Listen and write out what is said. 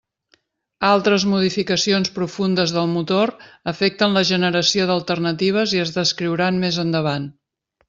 Altres modificacions profundes del motor afecten la generació d'alternatives i es descriuran més endavant.